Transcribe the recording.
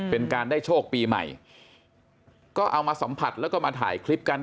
เป็นการได้โชคปีใหม่ก็เอามาสัมผัสแล้วก็มาถ่ายคลิปกัน